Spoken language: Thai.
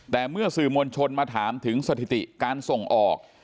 แต่เมื่อสื่อมวลชนมาถามถึงสถิติการส่งออก